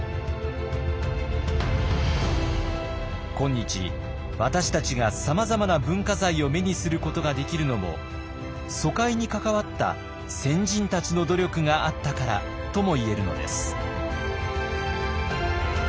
今日私たちがさまざまな文化財を目にすることができるのも疎開に関わった先人たちの努力があったからとも言えるのです。